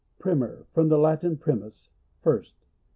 Primer. — From the Latin, primus, first.